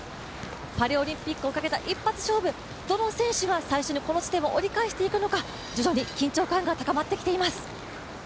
パリオリンピックをかけた一発勝負、どの選手がこの折り返し地点を走って行くのか徐々に緊張感が高まってきています。